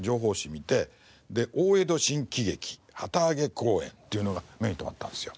見て「大江戸新喜劇旗揚げ公演」っていうのが目に留まったんですよ。